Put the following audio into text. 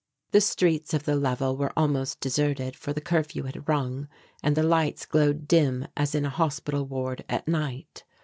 The streets of the level were almost deserted for the curfew had rung and the lights glowed dim as in a hospital ward at night.